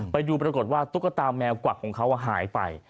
ไปดูปรากฏว่าตุ๊กตาแมวกวักของเขาหายไป